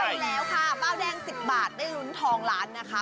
ใช่แล้วค่ะป้ายแดง๑๐บาทได้ลุ้นทองล้านนะคะ